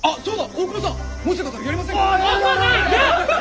大窪さん！もしよかったらやりませんか？